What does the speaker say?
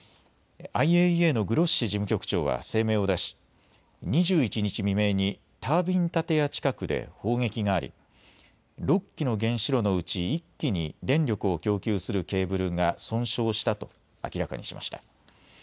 ＩＡＥＡのグロッシ事務局長は声明を出し、２１日未明にタービン建屋近くで砲撃があり６基の原子炉のうち１基に電力を供給するケーブルが損傷したと明らかにしました。